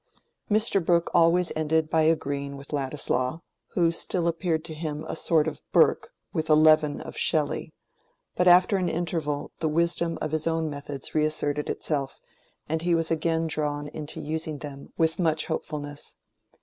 Mr. Brooke always ended by agreeing with Ladislaw, who still appeared to him a sort of Burke with a leaven of Shelley; but after an interval the wisdom of his own methods reasserted itself, and he was again drawn into using them with much hopefulness.